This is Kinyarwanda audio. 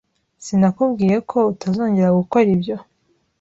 Sinakubwiye ko utazongera gukora ibyo?